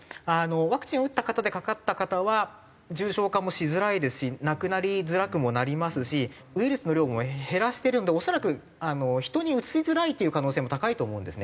ワクチンを打った方でかかった方は重症化もしづらいですし亡くなりづらくもなりますしウイルスの量も減らしてるんで恐らくあの人にうつしづらいという可能性も高いと思うんですね。